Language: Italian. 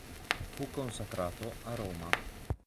Fu consacrato a Roma.